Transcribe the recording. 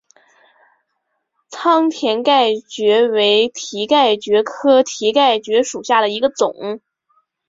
仓田蹄盖蕨为蹄盖蕨科蹄盖蕨属下的一个种。